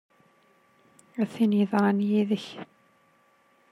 A tin yeḍran yid-k!